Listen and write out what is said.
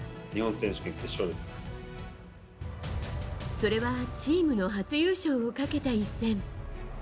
それはチームの初優勝をかけた一戦。